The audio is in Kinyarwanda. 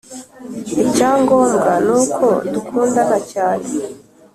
icyangombwa ni uko dukundana cyane